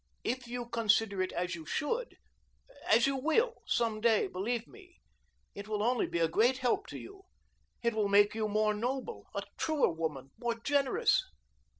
If you consider it as you should as you WILL some day, believe me it will only be a great help to you. It will make you more noble, a truer woman, more generous."